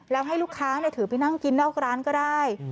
แล้วให้ลูกค้าถือไปนั่งกินนอกร้านก็ได้